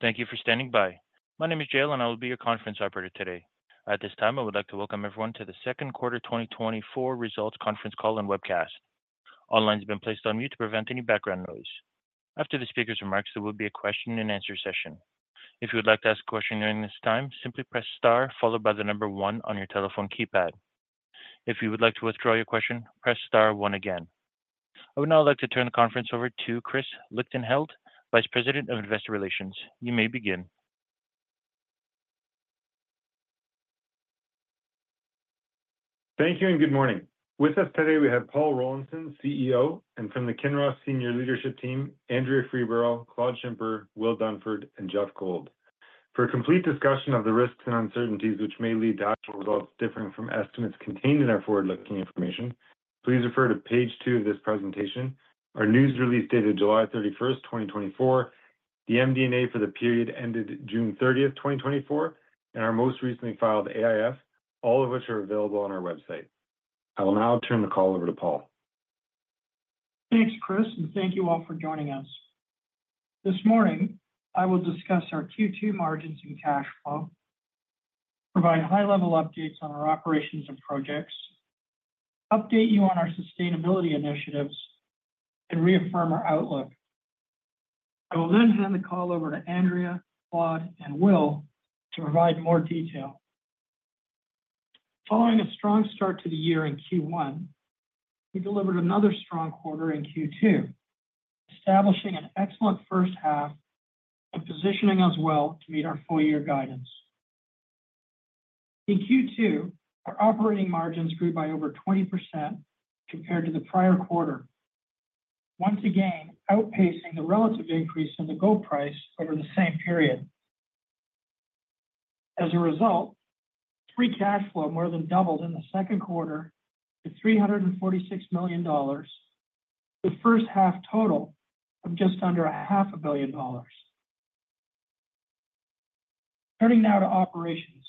Thank you for standing by. My name is Jaylen. I will be your conference operator today. At this time, I would like to welcome everyone to the second quarter 2024 results conference call and webcast. All lines have been placed on mute to prevent any background noise. After the speaker's remarks, there will be a question and answer session. If you would like to ask a question during this time, simply press star followed by the number one on your telephone keypad. If you would like to withdraw your question, press star one again. I would now like to turn the conference over to Chris Lichtenheldt, Vice President of Investor Relations. You may begin. Thank you, and good morning. With us today, we have Paul Rollinson, CEO, and from the Kinross Senior Leadership Team, Andrea Freeborough, Claude Schimper, Will Dunford, and Geoff Gold. For a complete discussion of the risks and uncertainties which may lead to actual results differing from estimates contained in our forward-looking information, please refer to page 2 of this presentation, our news release dated July 31, 2024, the MD&A for the period ended June 30, 2024, and our most recently filed AIF, all of which are available on our website. I will now turn the call over to Paul. Thanks, Chris, and thank you all for joining us. This morning, I will discuss our Q2 margins and cash flow, provide high-level updates on our operations and projects, update you on our sustainability initiatives, and reaffirm our outlook. I will then hand the call over to Andrea, Claude, and Will to provide more detail. Following a strong start to the year in Q1, we delivered another strong quarter in Q2, establishing an excellent first half and positioning us well to meet our full-year guidance. In Q2, our operating margins grew by over 20% compared to the prior quarter, once again outpacing the relative increase in the gold price over the same period. As a result, free cash flow more than doubled in the second quarter to $346 million, the first half total of just under $500 million. Turning now to operations.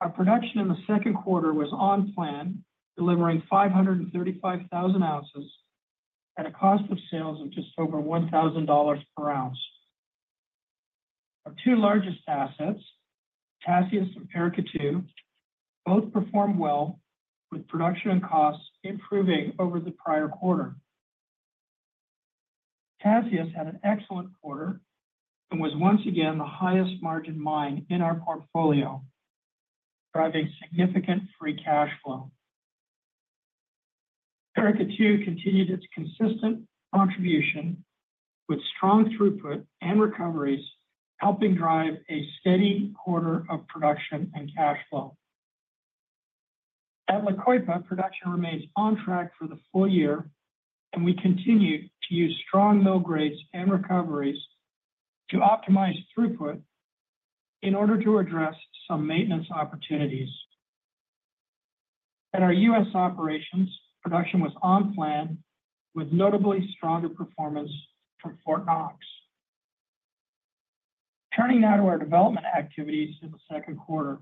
Our production in the second quarter was on plan, delivering 535,000 ounces at a cost of sales of just over $1,000 per ounce. Our two largest assets, Tasiast and Paracatu, both performed well with production and costs improving over the prior quarter. Tasiast had an excellent quarter and was once again the highest margin mine in our portfolio, driving significant free cash flow. Paracatu continued its consistent contribution with strong throughput and recoveries, helping drive a steady quarter of production and cash flow. At La Coipa, production remains on track for the full year, and we continue to use strong mill grades and recoveries to optimize throughput in order to address some maintenance opportunities. At our U.S. operations, production was on plan, with notably stronger performance from Fort Knox. Turning now to our development activities in the second quarter.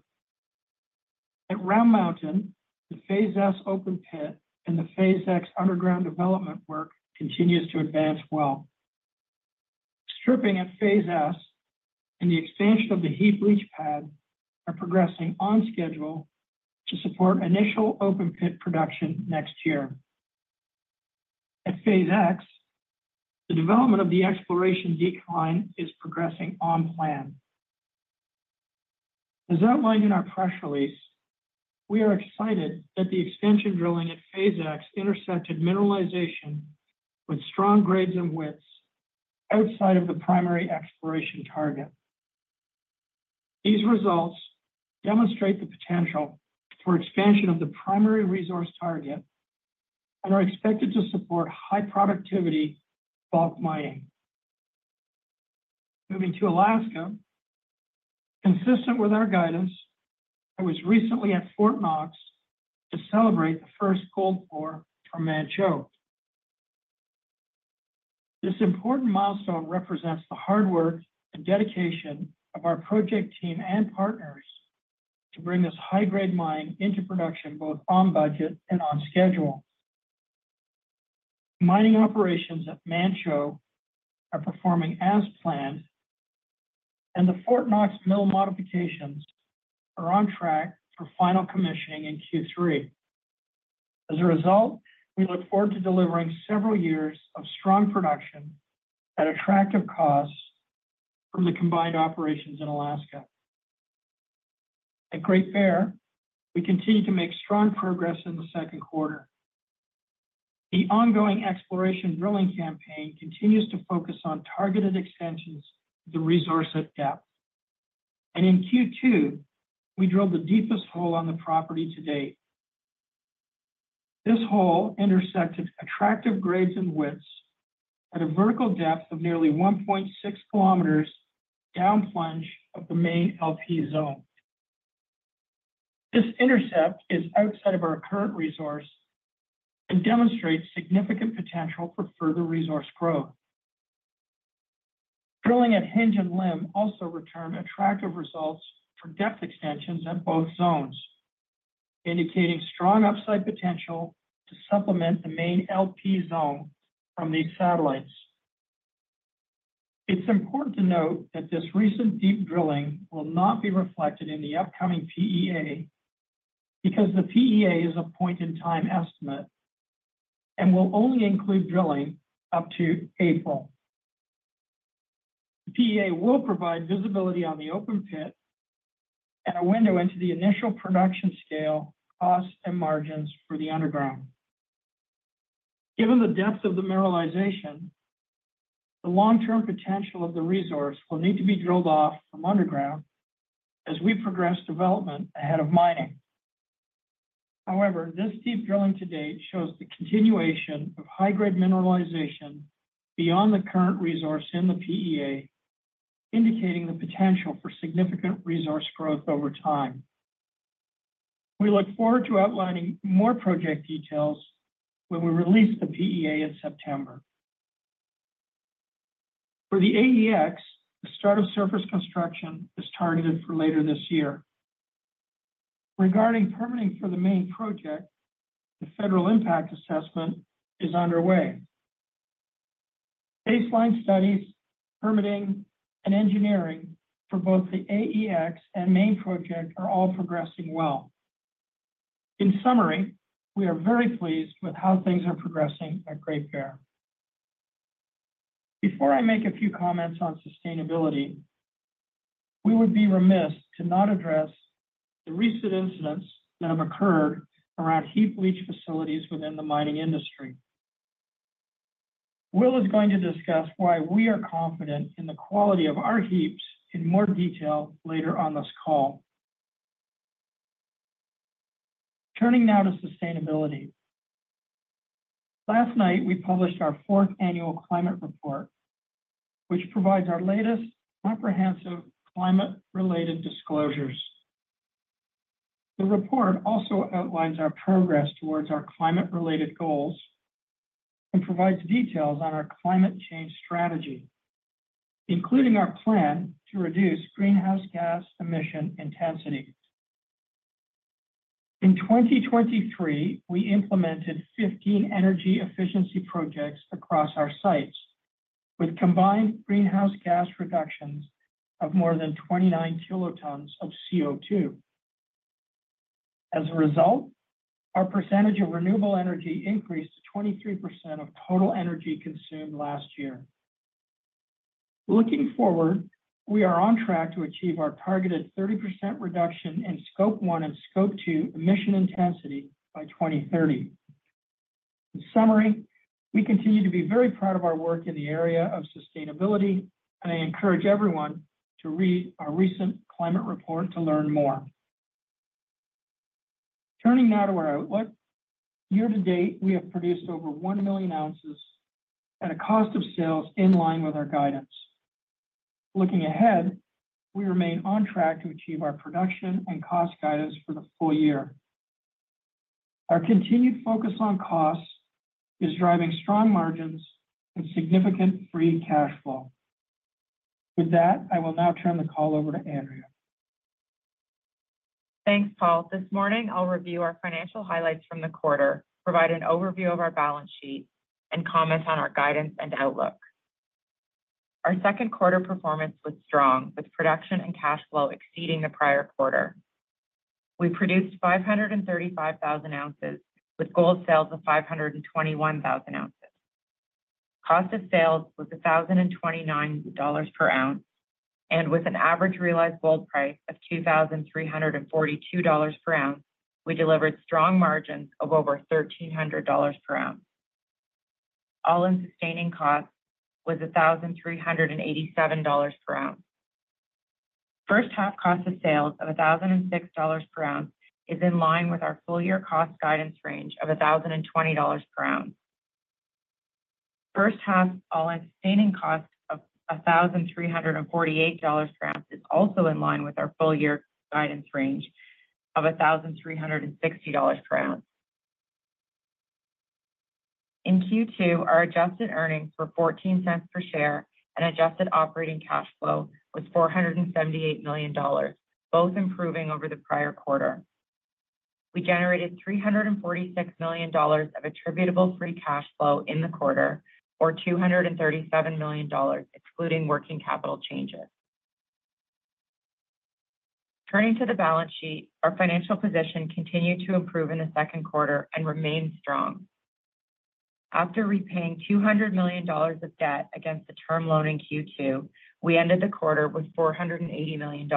At Round Mountain, the Phase S open pit and the Phase X underground development work continues to advance well. Stripping at Phase S and the expansion of the heap leach pad are progressing on schedule to support initial open pit production next year. At Phase X, the development of the exploration decline is progressing on plan. As outlined in our press release, we are excited that the extension drilling at Phase X intersected mineralization with strong grades and widths outside of the primary exploration target. These results demonstrate the potential for expansion of the primary resource target and are expected to support high productivity bulk mining. Moving to Alaska, consistent with our guidance, I was recently at Fort Knox to celebrate the first gold pour from Manh Choh. This important milestone represents the hard work and dedication of our project team and partners to bring this high-grade mine into production, both on budget and on schedule. Mining operations at Manh Choh are performing as planned, and the Fort Knox mill modifications are on track for final commissioning in Q3. As a result, we look forward to delivering several years of strong production at attractive costs from the combined operations in Alaska. At Great Bear, we continue to make strong progress in the second quarter. The ongoing exploration drilling campaign continues to focus on targeted extensions, the resource at depth, and in Q2, we drilled the deepest hole on the property to date. This hole intersected attractive grades and widths at a vertical depth of nearly 1.6 kilometers down plunge of the main LP Zone. This intercept is outside of our current resource and demonstrates significant potential for further resource growth. Drilling at Hinge and Limb also returned attractive results for depth extensions at both zones, indicating strong upside potential to supplement the main LP Zone from these satellites. It's important to note that this recent deep drilling will not be reflected in the upcoming PEA, because the PEA is a point-in-time estimate and will only include drilling up to April. PEA will provide visibility on the open pit and a window into the initial production scale, costs, and margins for the underground. Given the depth of the mineralization, the long-term potential of the resource will need to be drilled off from underground as we progress development ahead of mining. However, this deep drilling to date shows the continuation of high-grade mineralization beyond the current resource in the PEA, indicating the potential for significant resource growth over time. We look forward to outlining more project details when we release the PEA in September. For the AEX, the start of surface construction is targeted for later this year. Regarding permitting for the main project, the Federal Impact Assessment is underway. Baseline studies, permitting, and engineering for both the AEX and main project are all progressing well. In summary, we are very pleased with how things are progressing at Great Bear. Before I make a few comments on sustainability, we would be remiss to not address the recent incidents that have occurred around heap leach facilities within the mining industry. Will is going to discuss why we are confident in the quality of our heaps in more detail later on this call. Turning now to sustainability. Last night, we published our fourth annual climate report, which provides our latest comprehensive climate-related disclosures. The report also outlines our progress towards our climate-related goals and provides details on our climate change strategy, including our plan to reduce greenhouse gas emission intensity. In 2023, we implemented 15 energy efficiency projects across our sites, with combined greenhouse gas reductions of more than 29 kilotons of CO2. As a result, our percentage of renewable energy increased to 23% of total energy consumed last year. Looking forward, we are on track to achieve our targeted 30% reduction in Scope 1 and Scope 2 emission intensity by 2030. In summary, we continue to be very proud of our work in the area of sustainability, and I encourage everyone to read our recent climate report to learn more. Turning now to our outlook. Year to date, we have produced over 1 million ounces at a cost of sales in line with our guidance. Looking ahead, we remain on track to achieve our production and cost guidance for the full year. Our continued focus on costs is driving strong margins and significant free cash flow. With that, I will now turn the call over to Andrea. Thanks, Paul. This morning I'll review our financial highlights from the quarter, provide an overview of our balance sheet, and comment on our guidance and outlook. Our second quarter performance was strong, with production and cash flow exceeding the prior quarter. We produced 535,000 ounces, with gold sales of 521,000 ounces. Cost of sales was $1,029 per ounce, and with an average realized gold price of $2,342 per ounce, we delivered strong margins of over $1,300 per ounce. All-in sustaining costs was $1,387 per ounce. First half cost of sales of $1,006 per ounce is in line with our full year cost guidance range of $1,020 per ounce. First half all-in sustaining costs of $1,348 per ounce is also in line with our full year guidance range of $1,360 per ounce. In Q2, our adjusted earnings were $0.14 per share, and adjusted operating cash flow was $478 million, both improving over the prior quarter. We generated $346 million of attributable free cash flow in the quarter, or $237 million, excluding working capital changes. Turning to the balance sheet, our financial position continued to improve in the second quarter and remains strong. After repaying $200 million of debt against the term loan in Q2, we ended the quarter with $480 million.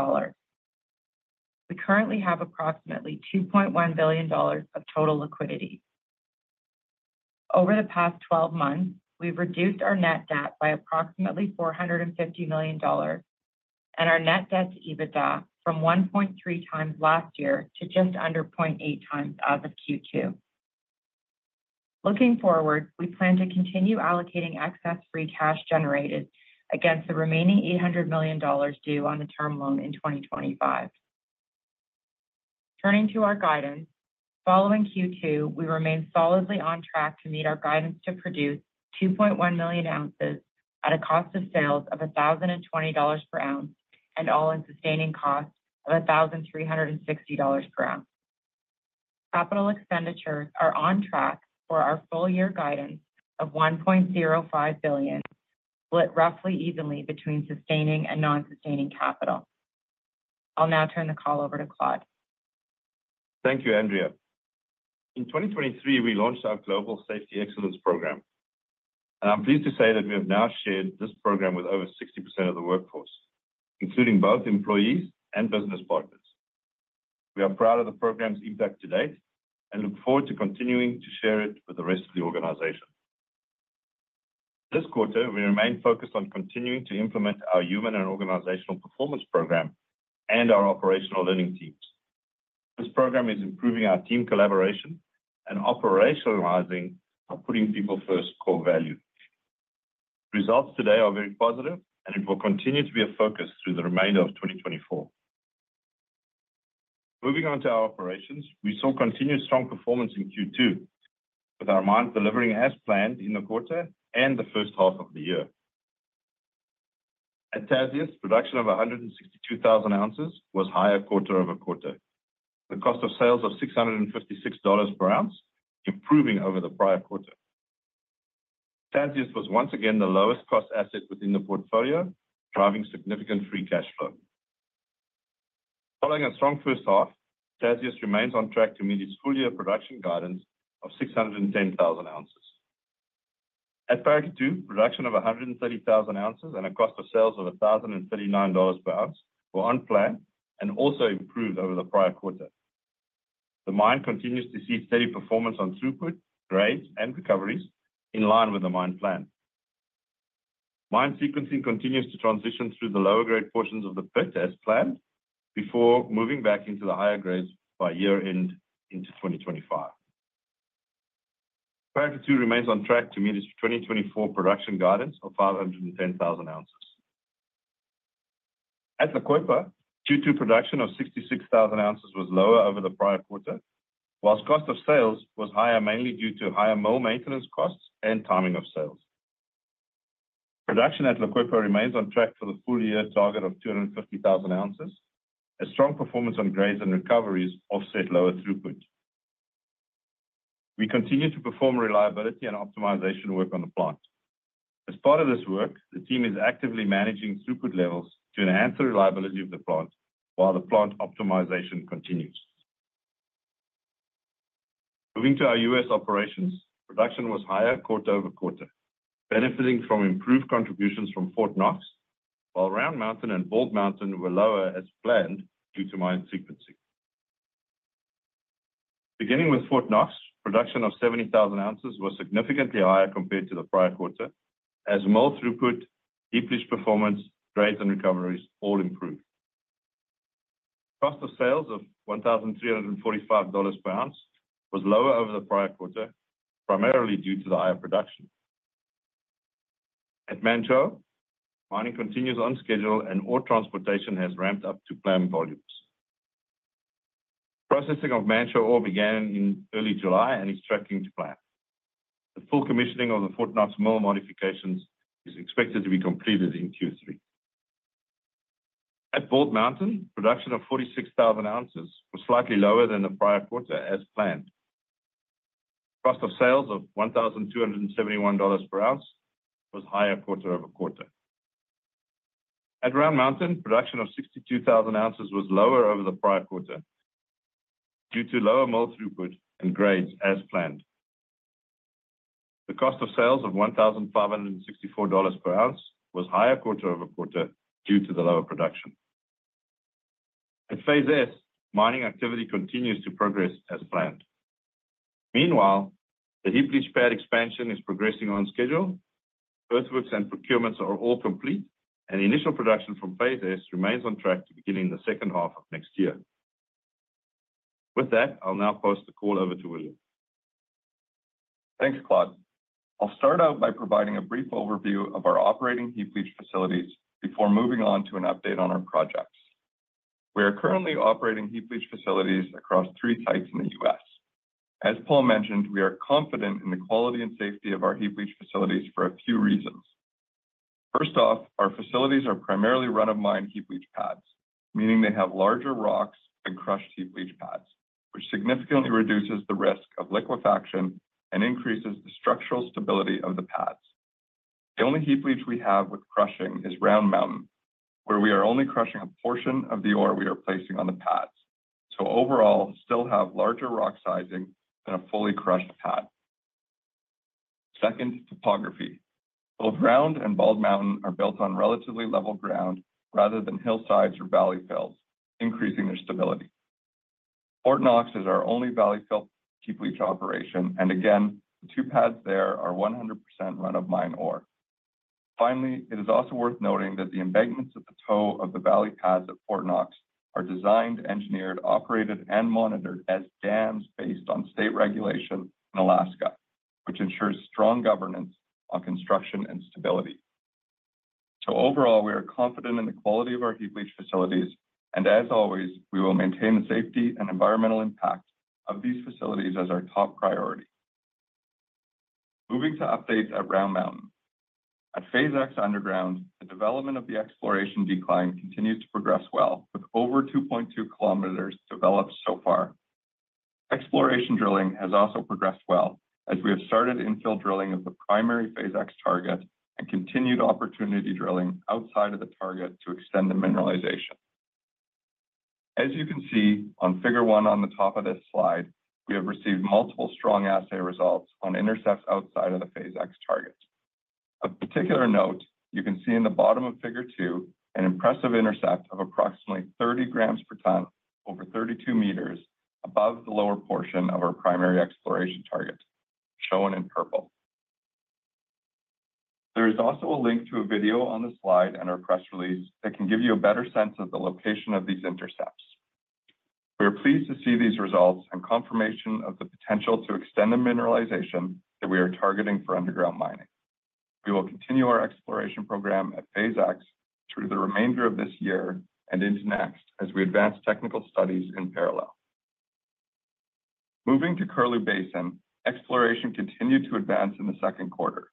We currently have approximately $2.1 billion of total liquidity. Over the past 12 months, we've reduced our net debt by approximately $450 million, and our net debt to EBITDA from 1.3 times last year to just under 0.8 times as of Q2. Looking forward, we plan to continue allocating excess free cash generated against the remaining $800 million due on the term loan in 2025. Turning to our guidance. Following Q2, we remain solidly on track to meet our guidance to produce 2.1 million ounces at a cost of sales of $1,020 per ounce, and all-in sustaining costs of $1,360 per ounce. Capital expenditures are on track for our full year guidance of $1.05 billion, split roughly evenly between sustaining and non-sustaining capital. I'll now turn the call over to Claude. Thank you, Andrea. In 2023, we launched our Global Safety Excellence program, and I'm pleased to say that we have now shared this program with over 60% of the workforce, including both employees and business partners. We are proud of the program's impact to date and look forward to continuing to share it with the rest of the organization. This quarter, we remain focused on continuing to implement our Human and Organizational Performance program and our operational learning teams. This program is improving our team collaboration and operationalizing our Putting People First core value. Results today are very positive, and it will continue to be a focus through the remainder of 2024. Moving on to our operations, we saw continued strong performance in Q2, with our mines delivering as planned in the quarter and the first half of the year. At Tasiast, production of 162,000 ounces was higher quarter-over-quarter. The cost of sales of $656 per ounce, improving over the prior quarter. Tasiast was once again the lowest cost asset within the portfolio, driving significant free cash flow. Following a strong first half, Tasiast remains on track to meet its full-year production guidance of 610,000 ounces. At Paracatu, production of 130,000 ounces and a cost of sales of $1,039 per ounce were on plan and also improved over the prior quarter. The mine continues to see steady performance on throughput, grades, and recoveries in line with the mine plan. Mine sequencing continues to transition through the lower grade portions of the pit as planned, before moving back into the higher grades by year-end into 2025. Paracatu remains on track to meet its 2024 production guidance of 510,000 ounces. At La Coipa, Q2 production of 66,000 ounces was lower over the prior quarter, while cost of sales was higher, mainly due to higher mill maintenance costs and timing of sales. Production at La Coipa remains on track for the full-year target of 250,000 ounces, as strong performance on grades and recoveries offset lower throughput. We continue to perform reliability and optimization work on the plant. As part of this work, the team is actively managing throughput levels to enhance the reliability of the plant while the plant optimization continues. Moving to our U.S. operations, production was higher quarter-over-quarter, benefiting from improved contributions from Fort Knox, while Round Mountain and Bald Mountain were lower as planned due to mine sequencing. Beginning with Fort Knox, production of 70,000 ounces was significantly higher compared to the prior quarter, as mill throughput, heap leach performance, grades, and recoveries all improved. Cost of sales of $1,345 per ounce was lower over the prior quarter, primarily due to the higher production. At Manh Choh, mining continues on schedule, and ore transportation has ramped up to planned volumes. Processing of Manh Choh ore began in early July and is tracking to plan. The full commissioning of the Fort Knox mill modifications is expected to be completed in Q3. At Bald Mountain, production of 46,000 ounces was slightly lower than the prior quarter as planned. Cost of sales of $1,271 per ounce was higher quarter-over-quarter. At Round Mountain, production of 62,000 ounces was lower over the prior quarter due to lower mill throughput and grades as planned. The cost of sales of $1,564 per ounce was higher quarter-over-quarter due to the lower production. At Phase S, mining activity continues to progress as planned. Meanwhile, the heap leach pad expansion is progressing on schedule. Earthworks and procurements are all complete, and initial production from Phase S remains on track to begin in the second half of next year. With that, I'll now pass the call over to William. Thanks, Claude. I'll start out by providing a brief overview of our operating heap leach facilities before moving on to an update on our projects. We are currently operating heap leach facilities across three sites in the U.S. As Paul mentioned, we are confident in the quality and safety of our heap leach facilities for a few reasons. First off, our facilities are primarily run-of-mine heap leach pads, meaning they have larger rocks than crushed heap leach pads, which significantly reduces the risk of liquefaction and increases the structural stability of the pads. The only heap leach we have with crushing is Round Mountain, where we are only crushing a portion of the ore we are placing on the pads. So overall, still have larger rock sizing than a fully crushed pad. Second, topography. Both Round Mountain and Bald Mountain are built on relatively level ground rather than hillsides or valley fills, increasing their stability. Fort Knox is our only valley fill heap leach operation, and again, the two pads there are 100% run-of-mine ore. Finally, it is also worth noting that the embankments at the toe of the valley pads at Fort Knox are designed, engineered, operated, and monitored as dams based on state regulation in Alaska, which ensures strong governance on construction and stability. So overall, we are confident in the quality of our heap leach facilities, and as always, we will maintain the safety and environmental impact of these facilities as our top priority. Moving to updates at Round Mountain. At Phase X underground, the development of the exploration decline continues to progress well, with over 2.2 kilometers developed so far. Exploration drilling has also progressed well, as we have started infill drilling of the primary Phase X target and continued opportunity drilling outside of the target to extend the mineralization. As you can see on Figure 1 on the top of this slide, we have received multiple strong assay results on intercepts outside of the Phase X target. Of particular note, you can see in the bottom of Figure 2 an impressive intercept of approximately 30 grams per tonne over 32 meters above the lower portion of our primary exploration target, shown in purple. There is also a link to a video on the slide and our press release that can give you a better sense of the location of these intercepts. We are pleased to see these results and confirmation of the potential to extend the mineralization that we are targeting for underground mining. We will continue our exploration program at Phase X through the remainder of this year and into next, as we advance technical studies in parallel. Moving to Curlew Basin, exploration continued to advance in the second quarter.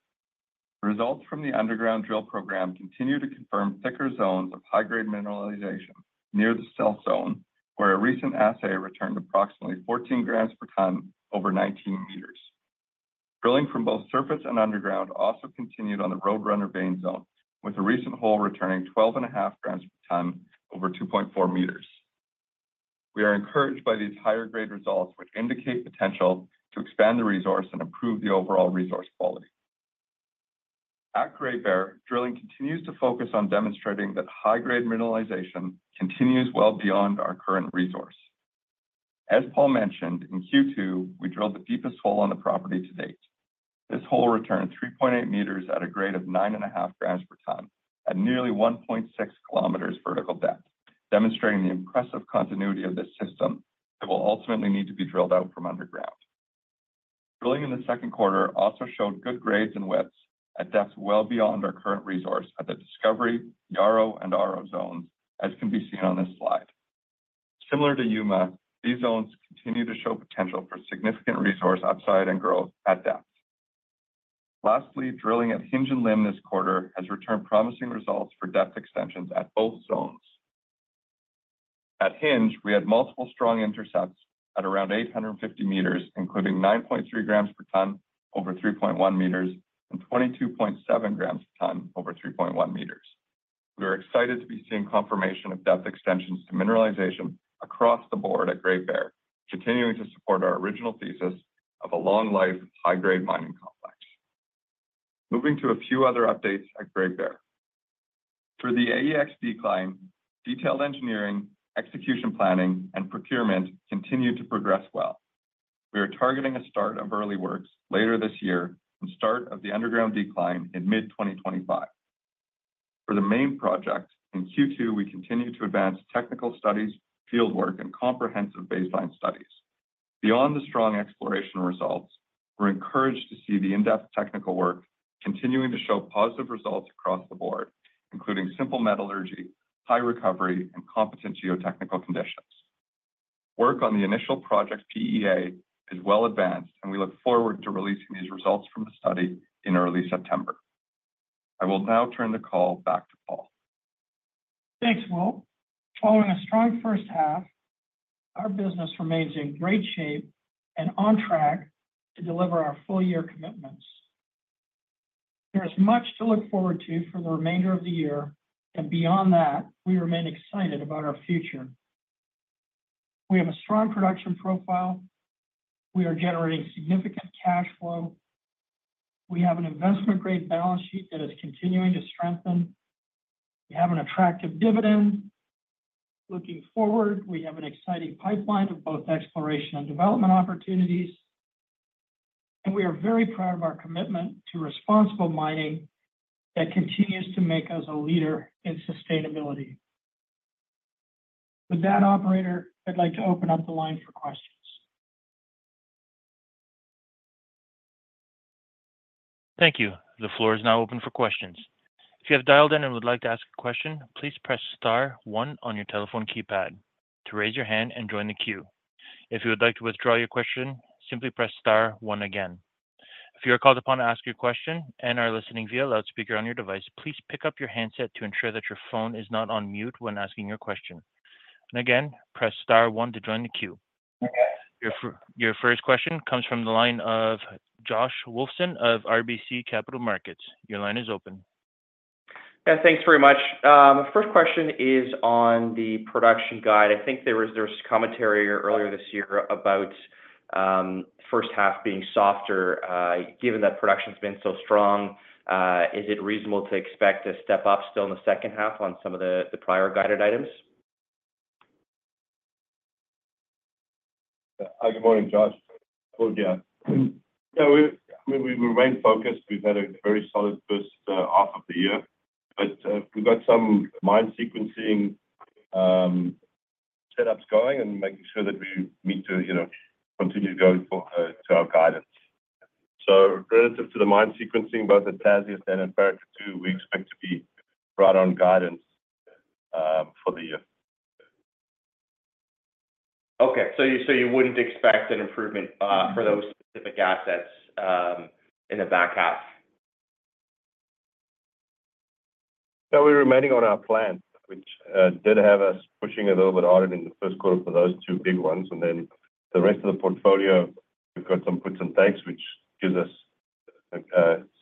Results from the underground drill program continue to confirm thicker zones of high-grade mineralization near the Stealth Zone, where a recent assay returned approximately 14 grams per tonne over 19 meters. Drilling from both surface and underground also continued on the Roadrunner vein zone, with a recent hole returning 12.5 grams per tonne over 2.4 meters. We are encouraged by these higher grade results, which indicate potential to expand the resource and improve the overall resource quality. At Great Bear, drilling continues to focus on demonstrating that high-grade mineralization continues well beyond our current resource. As Paul mentioned, in Q2, we drilled the deepest hole on the property to date. This hole returned 3.8 meters at a grade of 9.5 grams per tonne at nearly 1.6 kilometers vertical depth, demonstrating the impressive continuity of this system that will ultimately need to be drilled out from underground. Drilling in the second quarter also showed good grades and widths at depths well beyond our current resource at the Discovery, Yarrow, and Arrow zones, as can be seen on this slide. Similar to Yuma, these zones continue to show potential for significant resource upside and growth at depth. Lastly, drilling at Hinge and Limb this quarter has returned promising results for depth extensions at both zones. At Hinge, we had multiple strong intercepts at around 850 meters, including 9.3 grams per tonne over 3.1 meters and 22.7 grams per tonne over 3.1 meters. We are excited to be seeing confirmation of depth extensions to mineralization across the board at Great Bear, continuing to support our original thesis of a long-life, high-grade mining complex. Moving to a few other updates at Great Bear. For the AEX decline, detailed engineering, execution planning, and procurement continued to progress well. We are targeting a start of early works later this year and start of the underground decline in mid-2025. For the main project, in Q2, we continued to advance technical studies, field work, and comprehensive baseline studies. Beyond the strong exploration results, we're encouraged to see the in-depth technical work continuing to show positive results across the board, including simple metallurgy, high recovery, and competent geotechnical conditions. Work on the initial project PEA is well advanced, and we look forward to releasing these results from the study in early September. I will now turn the call back to Paul. Thanks, Will. Following a strong first half, our business remains in great shape and on track to deliver our full year commitments. There is much to look forward to for the remainder of the year, and beyond that, we remain excited about our future. We have a strong production profile. We are generating significant cash flow. We have an investment-grade balance sheet that is continuing to strengthen. We have an attractive dividend. Looking forward, we have an exciting pipeline of both exploration and development opportunities, and we are very proud of our commitment to responsible mining that continues to make us a leader in sustainability. With that, operator, I'd like to open up the line for questions. Thank you. The floor is now open for questions. If you have dialed in and would like to ask a question, please press star one on your telephone keypad to raise your hand and join the queue. If you would like to withdraw your question, simply press star one again. If you are called upon to ask your question and are listening via loudspeaker on your device, please pick up your handset to ensure that your phone is not on mute when asking your question. And again, press star one to join the queue. Your first question comes from the line of Josh Wolfson of RBC Capital Markets. Your line is open. Yeah, thanks very much. First question is on the production guide. I think there was commentary earlier this year about first half being softer. Given that production's been so strong, is it reasonable to expect a step up still in the second half on some of the prior guided items? Good morning, Josh. Well, yeah, so we, I mean, we remain focused. We've had a very solid first half of the year, but we've got some mine sequencing setups going and making sure that we meet to, you know, continue to go for, to our guidance. So relative to the mine sequencing, both at Tasiast and at Paracatu, we expect to be right on guidance, for the year. Okay. So you wouldn't expect an improvement for those specific assets in the back half? So we're remaining on our plan, which did have us pushing a little bit harder in the first quarter for those two big ones. And then the rest of the portfolio, we've got some puts and takes, which gives us,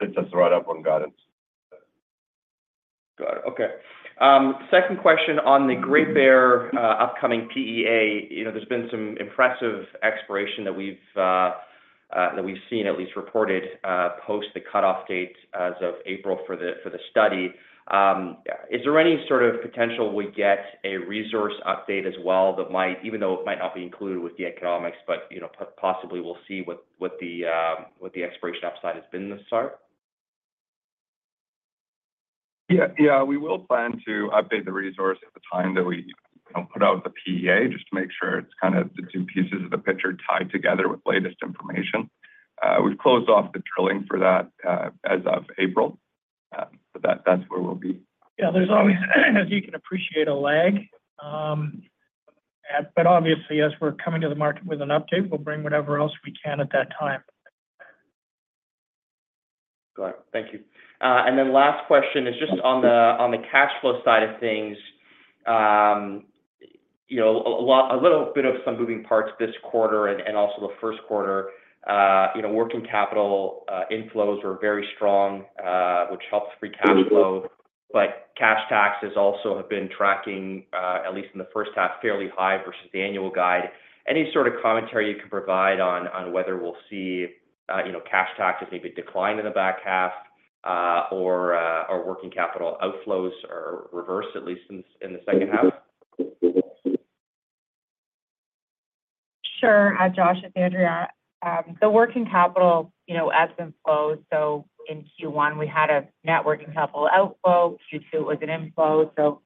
sets us right up on guidance. Got it. Okay. Second question, on the Great Bear, upcoming PEA, you know, there's been some impressive exploration that we've seen at least reported, post the cutoff date as of April for the, for the study. Is there any sort of potential we get a resource update as well that might, even though it might not be included with the economics, but, you know, possibly we'll see what the exploration upside has been this far? Yeah. Yeah, we will plan to update the resource at the time that we, you know, put out the PEA, just to make sure it's kind of the two pieces of the picture tied together with latest information. We've closed off the drilling for that, as of April. But that, that's where we'll be. Yeah, there's always, as you can appreciate, a lag. But obviously, as we're coming to the market with an update, we'll bring whatever else we can at that time. Got it. Thank you. And then last question is just on the cash flow side of things. You know, a little bit of some moving parts this quarter and also the first quarter. You know, working capital inflows were very strong, which helped free cash flow. But cash taxes also have been tracking at least in the first half fairly high versus the annual guide. Any sort of commentary you can provide on whether we'll see you know, cash taxes maybe decline in the back half or our working capital outflows are reversed, at least in the second half? Sure. Josh, it's Andrea. The working capital, you know, as inflows, so in Q1, we had a net working capital outflow. Q2, it was an inflow. So,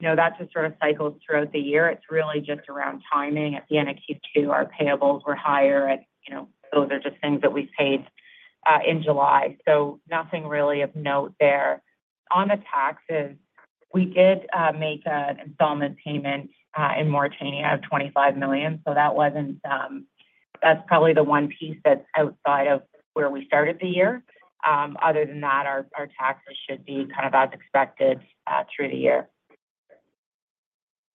you know, that just sort of cycles throughout the year. It's really just around timing. At the end of Q2, our payables were higher, and, you know, those are just things that we paid in July. So nothing really of note there. On the taxes, we did make an installment payment in Mauritania of $25 million. So that wasn't, that's probably the one piece that's outside of where we started the year. Other than that, our, our taxes should be kind of as expected through the year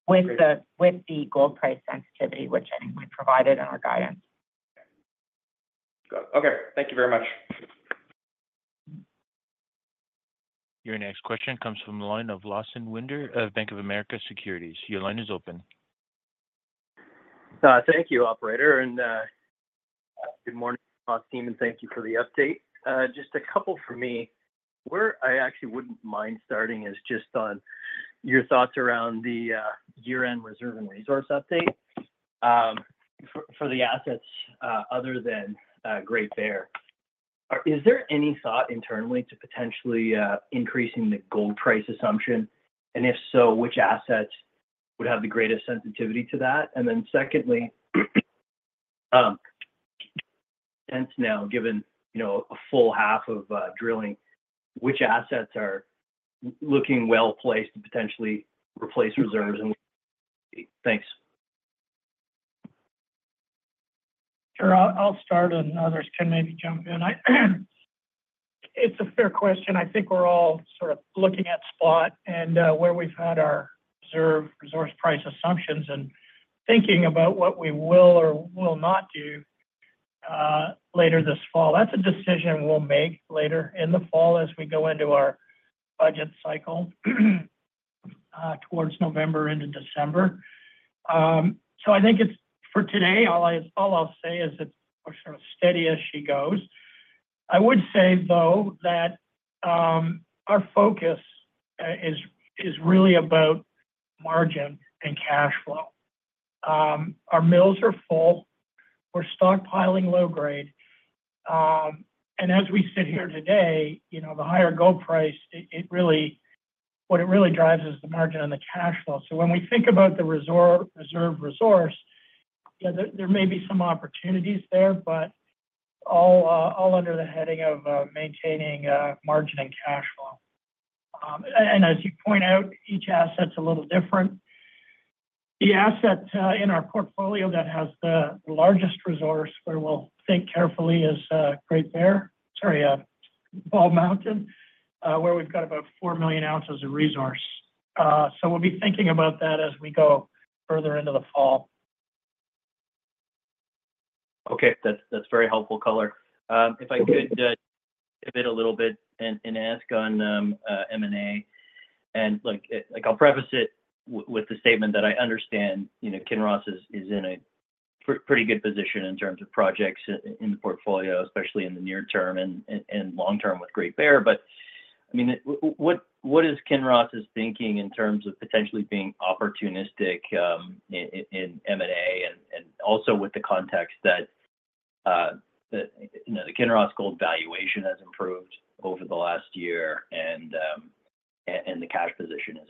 with the, with the gold price sensitivity, which I think we provided in our guidance. Got it. Okay. Thank you very much. Your next question comes from the line of Lawson Winder of Bank of America Securities. Your line is open. Thank you, operator. Good morning, Kinross team, and thank you for the update. Just a couple for me. Where I actually wouldn't mind starting is just on your thoughts around the year-end reserve and resource update for the assets other than Great Bear. Is there any thought internally to potentially increasing the gold price assumption? And if so, which assets would have the greatest sensitivity to that? And then secondly, hence now, given you know a full half of drilling, which assets are looking well-placed to potentially replace reserves and... Thanks. Sure. I'll start, and others can maybe jump in. It's a fair question. I think we're all sort of looking at spot and where we've had our reserve resource price assumptions and thinking about what we will or will not do later this fall. That's a decision we'll make later in the fall as we go into our budget cycle towards November into December. So I think it's for today, all I'll say is it's sort of steady as she goes. I would say, though, that our focus is really about margin and cash flow. Our mills are full. We're stockpiling low grade. And as we sit here today, you know, the higher gold price, it really what it really drives is the margin and the cash flow. So when we think about the reserve resource, yeah, there may be some opportunities there, but all under the heading of maintaining margin and cash flow. And as you point out, each asset's a little different. The asset in our portfolio that has the largest resource, where we'll think carefully, is Great Bear, sorry, Bald Mountain, where we've got about 4 million ounces of resource. So we'll be thinking about that as we go further into the fall. Okay. That's, that's very helpful color. If I could pivot a little bit and ask on M&A. And, like, I'll preface it with the statement that I understand, you know, Kinross is in a pretty good position in terms of projects in the portfolio, especially in the near term and long term with Great Bear. But, I mean, what is Kinross' thinking in terms of potentially being opportunistic in M&A and also with the context that, you know, the Kinross Gold valuation has improved over the last year and the cash position is-...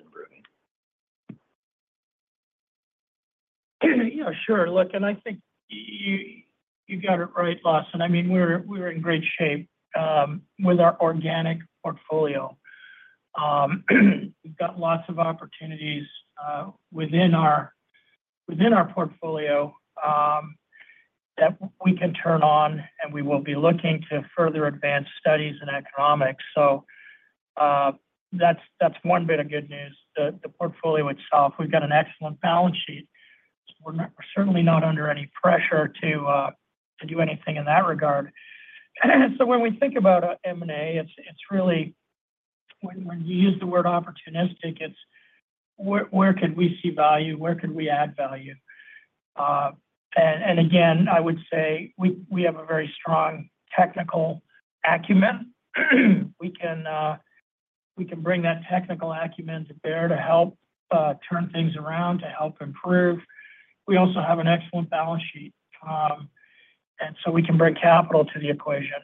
Yeah, sure. Look, and I think you got it right, Lawson. I mean, we're in great shape with our organic portfolio. We've got lots of opportunities within our portfolio that we can turn on, and we will be looking to further advance studies and economics. So, that's one bit of good news. The portfolio itself, we've got an excellent balance sheet. We're not certainly not under any pressure to do anything in that regard. So when we think about M&A, it's really when you use the word opportunistic, it's where could we see value? Where could we add value? And again, I would say we have a very strong technical acumen. We can, we can bring that technical acumen to bear to help, turn things around, to help improve. We also have an excellent balance sheet, and so we can bring capital to the equation.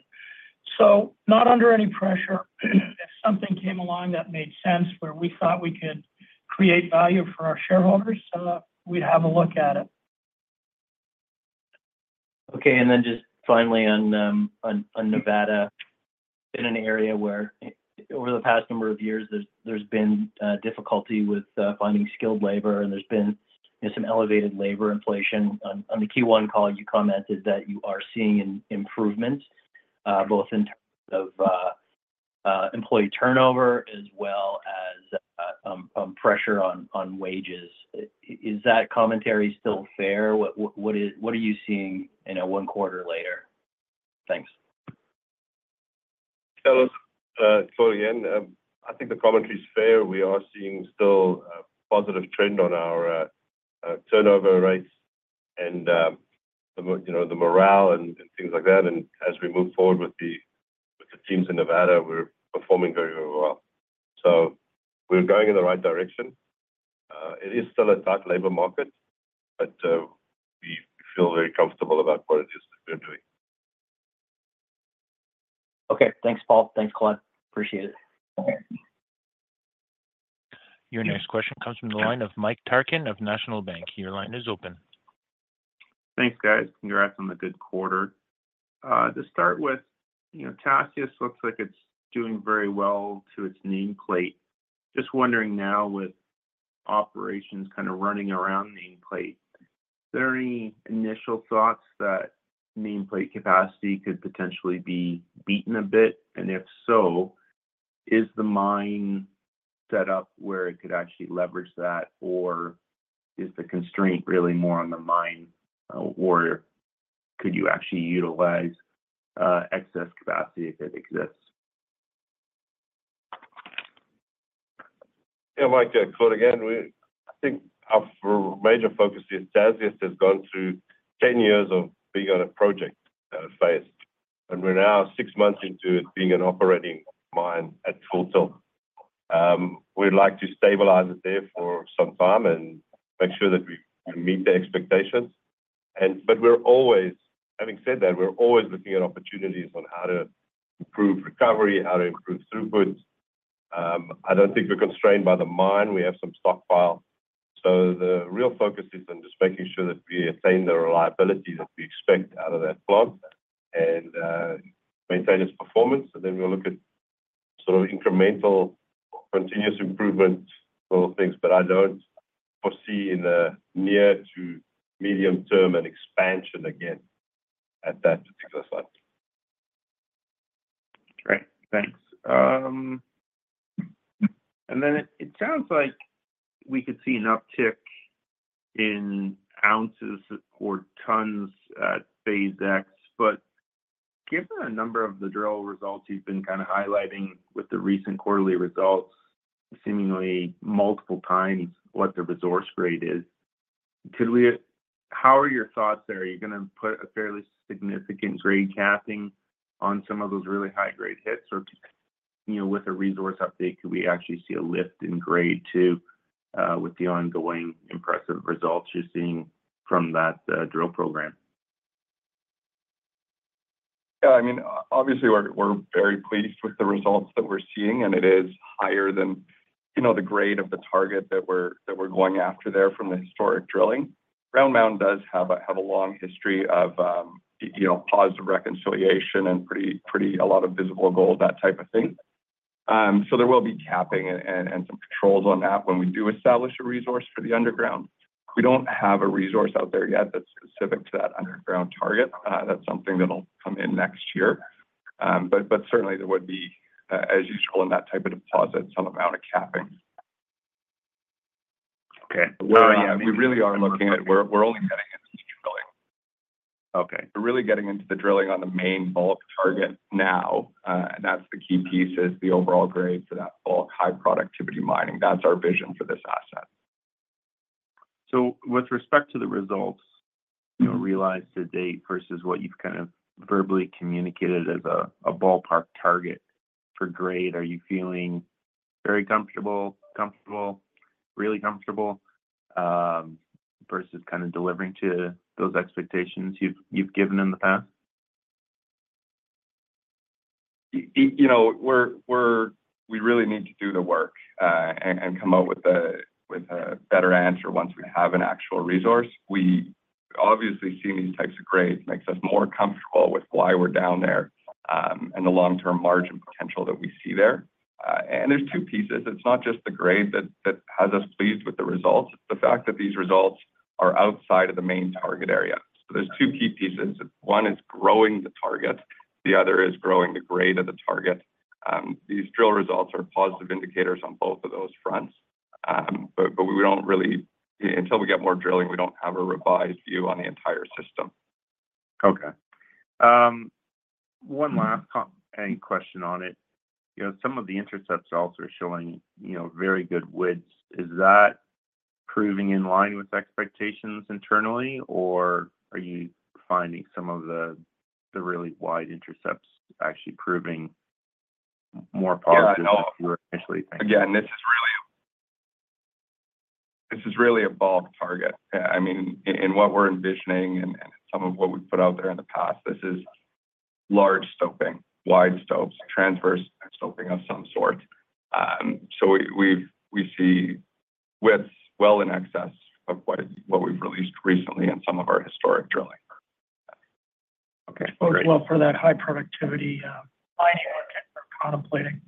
So not under any pressure. If something came along that made sense, where we thought we could create value for our shareholders, we'd have a look at it. Okay. And then just finally on Nevada, in an area where over the past number of years, there's been difficulty with finding skilled labor, and there's been some elevated labor inflation. On the Q1 call, you commented that you are seeing an improvement both in terms of employee turnover as well as pressure on wages. Is that commentary still fair? What are you seeing one quarter later? Thanks. So, Claude again, I think the commentary is fair. We are seeing still a positive trend on our turnover rates and the more, you know, the morale and things like that. As we move forward with the teams in Nevada, we're performing very, very well. We're going in the right direction. It is still a tight labor market, but we feel very comfortable about what it is we're doing. Okay, thanks, Paul. Thanks, Claude. Appreciate it. Okay. Your next question comes from the line of Mike Parkin of National Bank. Your line is open. Thanks, guys. Congrats on the good quarter. To start with, you know, Tasiast looks like it's doing very well to its nameplate. Just wondering now, with operations kind of running around nameplate, is there any initial thoughts that nameplate capacity could potentially be beaten a bit? And if so, is the mine set up where it could actually leverage that, or is the constraint really more on the mine? Or could you actually utilize excess capacity if it exists? Yeah, Mike, Claude again. I think our major focus is Tasiast has gone through 10 years of being on a project phase, and we're now 6 months into it being an operating mine at full tilt. We'd like to stabilize it there for some time and make sure that we, we meet the expectations. But we're always—having said that, we're always looking at opportunities on how to improve recovery, how to improve throughput. I don't think we're constrained by the mine. We have some stockpile. So the real focus is on just making sure that we attain the reliability that we expect out of that plant and maintain its performance. And then we'll look at sort of incremental, continuous improvement, sort of things. But I don't foresee in the near to medium term an expansion again at that particular site. Great! Thanks. And then it sounds like we could see an uptick in ounces or tons at Phase X. But given a number of the drill results you've been kind of highlighting with the recent quarterly results, seemingly multiple times what the resource grade is, could we—how are your thoughts there? Are you gonna put a fairly significant grade capping on some of those really high-grade hits? Or, you know, with a resource update, could we actually see a lift in grade too with the ongoing impressive results you're seeing from that drill program? Yeah, I mean, obviously, we're very pleased with the results that we're seeing, and it is higher than, you know, the grade of the target that we're going after there from the historic drilling. Round Mountain does have a long history of, you know, positive reconciliation and pretty a lot of visible gold, that type of thing. So there will be capping and some controls on that when we do establish a resource for the underground. We don't have a resource out there yet that's specific to that underground target. That's something that'll come in next year. But certainly there would be, as usual, in that type of deposit, some amount of capping. Okay. We really are looking at... We're only getting into drilling. Okay. We're really getting into the drilling on the main bulk target now, and that's the key piece, is the overall grade for that bulk high productivity mining. That's our vision for this asset. So with respect to the results, you know, realized to date versus what you've kind of verbally communicated as a, a ballpark target for grade, are you feeling very comfortable, comfortable, really comfortable, versus kind of delivering to those expectations you've, you've given in the past?... You know, we really need to do the work and come out with a better answer once we have an actual resource. We obviously seeing these types of grades makes us more comfortable with why we're down there and the long-term margin potential that we see there. And there's two pieces. It's not just the grade that has us pleased with the results, the fact that these results are outside of the main target area. So there's two key pieces. One is growing the target, the other is growing the grade of the target. These drill results are positive indicators on both of those fronts. But we don't really. Until we get more drilling, we don't have a revised view on the entire system. Okay. One last comment. Any question on it. You know, some of the intercept results are showing, you know, very good widths. Is that proving in line with expectations internally, or are you finding some of the really wide intercepts actually proving more positive than you were initially? Again, this is really a bulk target. I mean, in what we're envisioning and some of what we've put out there in the past, this is large stoping, wide stopes, transverse stoping of some sort. So we see widths well in excess of what we've released recently in some of our historic drilling. Okay, great. Well, for that high productivity, mining market we're contemplating.